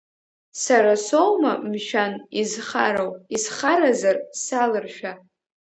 Сара соума, мшәан, изхароу, исхаразар, салыршәа?!